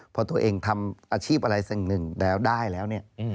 พอตัวเองทำอาชีพอะไรสิ่งหนึ่งแล้วได้แล้วเนี่ย